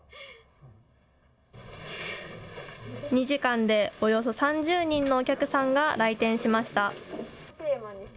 ２時間でおよそ３０人のお客さんが来店しました。